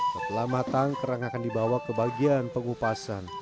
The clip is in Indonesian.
setelah matang kerang akan dibawa ke bagian pengupasan